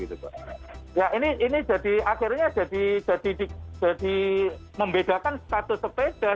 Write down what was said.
ya ini jadi akhirnya jadi membedakan status sepeda